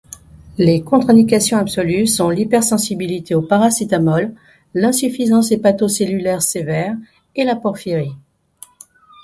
Les contre-indications absolues sont l'hypersensibilité au paracétamol, l'insuffisance hépato-cellulaire sévère et la porphyrie.